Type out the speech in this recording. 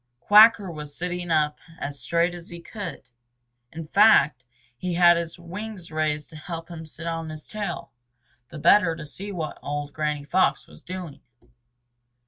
Quacker was sitting up as straight as he could. In fact, he had his wings raised to help him sit up on his tail, the better to see what old Granny Fox was doing.